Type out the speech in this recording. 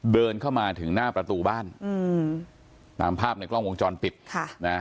เดินเข้ามาถึงหน้าประตูบ้านอืมตามภาพในกล้องวงจรปิดค่ะนะ